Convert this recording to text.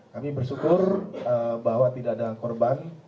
kami bersyukur bahwa tidak ada korban